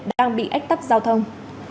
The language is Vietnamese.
đang bị ách tắt giao thông